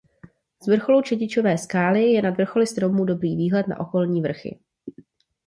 Z vrcholu čedičové skály je nad vrcholy stromů dobrý výhled na okolní vrchy.